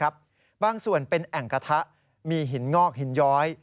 บางส่วนเป็นแอ่งกระทะมีหินงอกหินย้อย